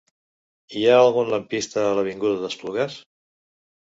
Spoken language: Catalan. Hi ha algun lampista a l'avinguda d'Esplugues?